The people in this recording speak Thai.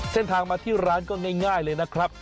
เส้นทางมาที่ร้านก็ง่ายเลยนะครับ